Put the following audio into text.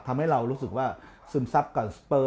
ทำให้เรารู้สึกว่าซึมซับกับสเปอร์